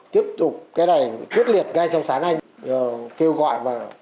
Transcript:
tiếp tục cái này quyết liệt ngay trong sáng nay kêu gọi và